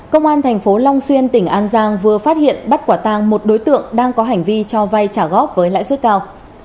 công an thành phố long xuyên tỉnh an giang vừa phát hiện bắt quả tang một đối tượng đang có hành vi cho vay trả góp với lãi suất cao